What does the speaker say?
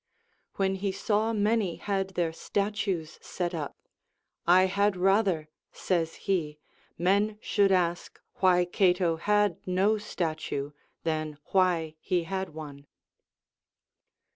When he saw many had their statues set up, I had rather, says he, men should ask why Cato had no statue, 234 THE APOPHTHEGMS OF KINGS than why he had one.